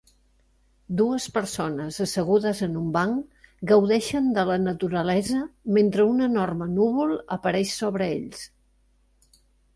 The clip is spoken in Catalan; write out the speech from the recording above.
Dues persones assegudes en un banc gaudeixen de la naturalesa mentre un enorme núvol apareix sobre ells.